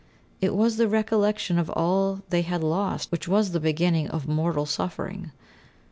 It was the recollection of all they had lost which was the beginning of mortal suffering.